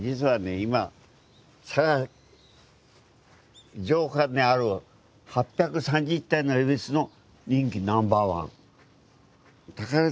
今佐賀城下にある８３０体のえびすの人気ナンバーワン。